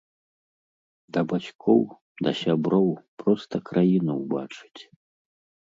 Да бацькоў, да сяброў, проста краіну ўбачыць.